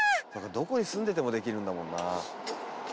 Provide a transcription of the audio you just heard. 「どこに住んでてもできるんだもんな」